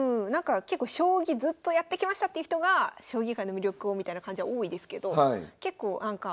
なんか結構将棋ずっとやってきましたっていう人が将棋界の魅力をみたいな感じは多いですけど。